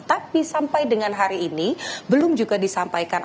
tapi sampai dengan hari ini belum juga disampaikan